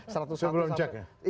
saya belum cek ya